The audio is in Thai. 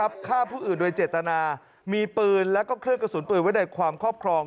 ฆ่าผู้อื่นโดยเจตนามีปืนแล้วก็เครื่องกระสุนปืนไว้ในความครอบครอง